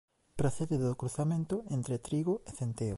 Procede do cruzamento entre trigo e centeo.